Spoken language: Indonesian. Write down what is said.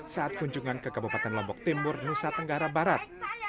saat kunjungan ke kabupaten lombok timur nusa tenggara barat